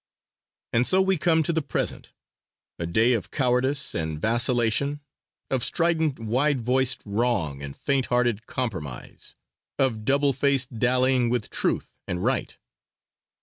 And so we come to the present a day of cowardice and vacillation, of strident wide voiced wrong and faint hearted compromise; of double faced dallying with Truth and Right.